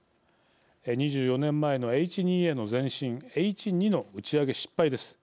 ２４年前のＨ２Ａの前身Ｈ２の打ち上げ失敗です。